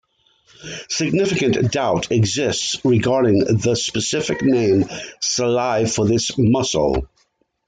Significant doubt exists regarding the specific name "sallei" for this mussel.